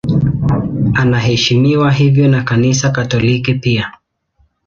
Anaheshimiwa hivyo na Kanisa Katoliki pia.